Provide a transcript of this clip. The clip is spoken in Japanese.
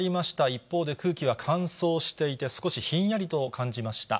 一方で、空気は乾燥していて、少しひんやりと感じました。